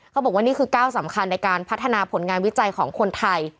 เขาบอกว่านี่คือก้าวสำคัญในการพัฒนาผลงานวิจัยของคนไทย